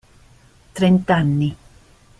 Trent'anni.